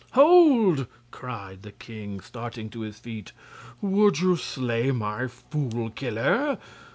"Hold!" cried the king, starting to his feet. "Would you slay my Fool Killer?